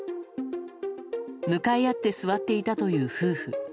向かい合って座っていたという夫婦。